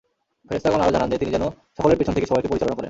ফেরেশতাগণ আরও জানান যে, তিনি যেন সকলের পেছনে থেকে সবাইকে পরিচালনা করেন।